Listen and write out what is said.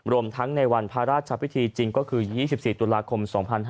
รวมทั้งในวันพระราชพิธีจริงก็คือ๒๔ตุลาคม๒๕๕๙